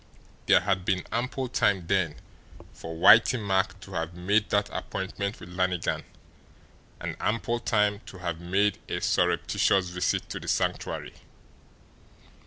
There had been ample time then for Whitey Mack to have made that appointment with Lannigan and ample time to have made a surreptitious visit to the Sanctuary.